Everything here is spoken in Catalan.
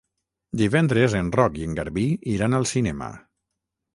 Divendres en Roc i en Garbí iran al cinema.